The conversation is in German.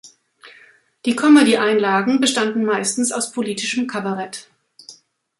Die Comedy-Einlagen bestanden meistens aus politischem Kabarett.